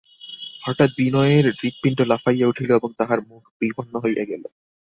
হঠাৎ বিনয়ের হৃৎপিণ্ড লাফাইয়া উঠিল এবং তাহার মুখ বিবর্ণ হইয়া গেল।